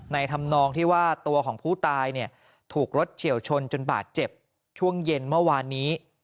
ธรรมนองที่ว่าตัวของผู้ตายถูกรถเฉียวชนจนบาดเจ็บช่วงเย็นเมื่อวานนี้